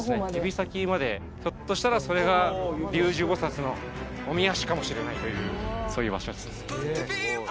指先までひょっとしたらそれが龍樹菩薩の御御足かもしれないというそういう場所ですね